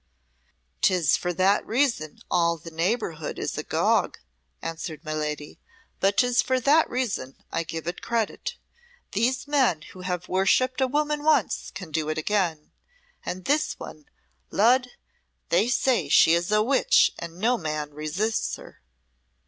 "'Tis for that reason all the neighbourhood is agog," answered my lady. "But 'tis for that reason I give it credit. These men who have worshipped a woman once can do it again. And this one Lud! they say, she is a witch and no man resists her."